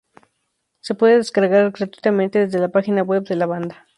Se puede descargar gratuitamente desde la página web de la banda.